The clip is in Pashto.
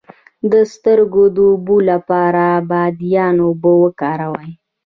د سترګو د اوبو لپاره د بادیان اوبه وکاروئ